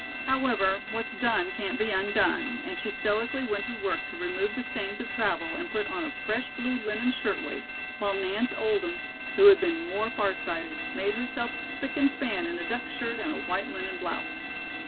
However, what's done can't be undone," and she stoically went to work to remove the stains of travel and put on a fresh blue linen shirtwaist; while Nance Oldham, who had been more far sighted, made herself spic and span in a duck skirt and a white linen blouse.